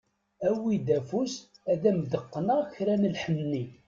Awi-d afus ad am-d-qqneɣ kra n lḥenni.